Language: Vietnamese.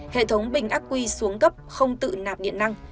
hệ thống bình ác quy xuống cấp không tự nạp điện năng